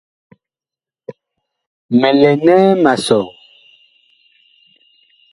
Mi lɛ nɛ ma sɔ ?